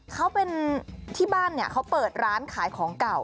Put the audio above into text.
เขาเป็นที่บ้านเนี่ยเขาเปิดร้านขายของเก่า